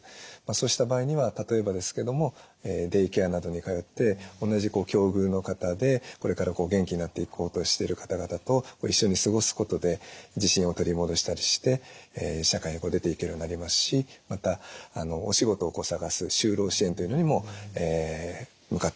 そうした場合には例えばですけどもデイケアなどに通って同じ境遇の方でこれから元気になっていこうとしてる方々と一緒に過ごすことで自信を取り戻したりして社会に出ていけるようになりますしまたお仕事を探す就労支援というのにも向かっていけます。